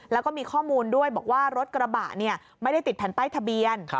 แล้วก็มีข้อมูลด้วยบอกว่ารถกระบะไม่ได้ติดแผ่นป้ายทะเบียน